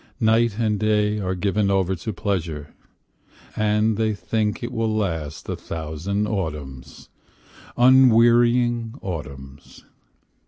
Night and day are given over to pleasure And they think it will last a thousand autumns, Unwearying autumns.